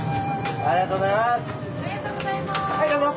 ・ありがとうございます！